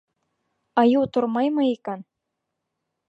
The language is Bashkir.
Айыу тормаймы икән.